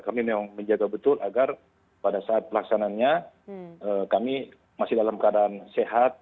kami memang menjaga betul agar pada saat pelaksananya kami masih dalam keadaan sehat